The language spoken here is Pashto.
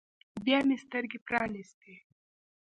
بيا مې سترګې پرانيستلې.